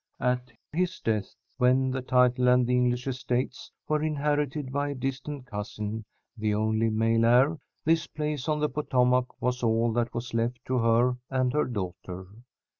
At his death, when the title and the English estates were inherited by a distant cousin, the only male heir, this place on the Potomac was all that was left to her and her daughter.